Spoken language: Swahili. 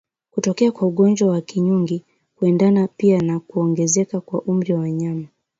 Kutokea kwa ugonjwa wa kinyungi kuendana pia na kuongezeka kwa umri wa wanyama